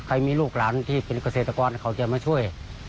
มีลูกหลานที่เป็นเกษตรกรเขาจะมาช่วย